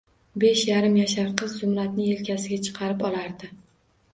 Besh yarim yashar qizi Zumradni yelkasiga chiqarib olardi